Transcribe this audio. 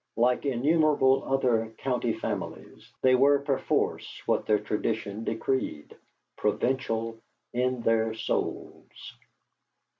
Like innumerable other county families, they were perforce what their tradition decreed provincial in their souls.